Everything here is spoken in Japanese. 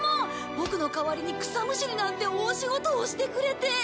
ボクの代わりに草むしりなんて大仕事をしてくれて。